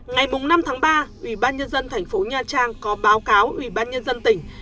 ngày năm tháng ba ủy ban nhân dân thành phố nha trang có báo cáo ủy ban nhân dân tỉnh